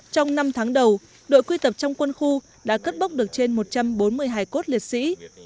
trong năm tháng đầu đội quy tập trong quân khu đã cất bốc được trên một trăm bốn mươi hải cốt liệt sĩ